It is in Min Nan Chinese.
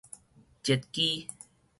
截肢